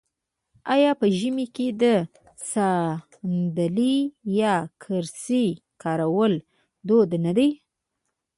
آیا په ژمي کې د ساندلۍ یا کرسۍ کارول دود نه دی؟